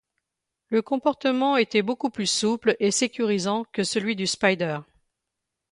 Le comportement était beaucoup plus souple et sécurisant que celui du Spider.